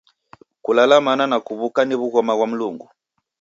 Kulala mana na kuw'uka ni w'ughoma ghwa Mlungu.